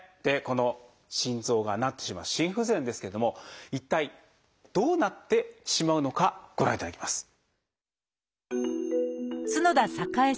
この心臓がなってしまう心不全ですけれども一体どうなってしまうのかご覧いただきます。